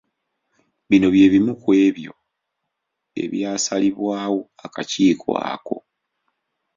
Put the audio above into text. Bino bye bimu kw'ebyo ebyasalibwawo akakiiko ako.